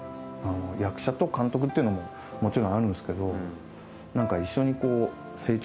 役者と監督っていうのももちろんあるんですけど。